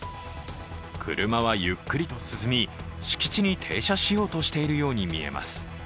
車はゆっくりと進み敷地に停車しようとしているようにみえます。